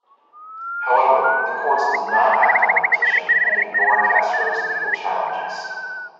However, the courts did not act on the petition and ignored Castro's legal challenges.